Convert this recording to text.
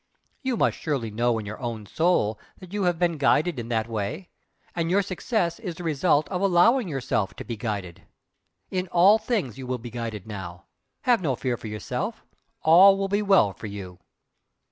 You must surely know in your own soul that you have been guided in that way and your success is the result of allowing yourself to BE guided. In all things you will be guided now have no fear for yourself! All will be well for you!"